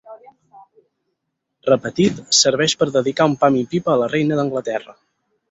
Repetit, serveix per dedicar un pam i pipa a la reina d'Anglaterra.